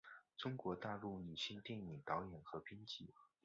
中国大陆女性电影导演和编剧。